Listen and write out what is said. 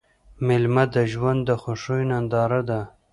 مېله د ژوند د خوښیو ننداره ده.